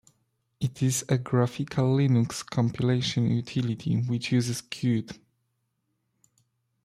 It is a graphical Linux compilation utility, which uses Qt.